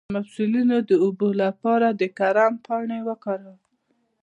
د مفصلونو د اوبو لپاره د کرم پاڼې وکاروئ